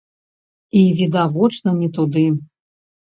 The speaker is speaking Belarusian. І відавочна не туды.